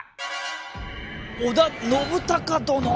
織田信孝殿！